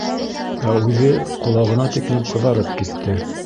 Ә үҙе ҡолағына тиклем ҡыҙарып китте.